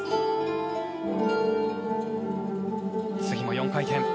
次も４回転。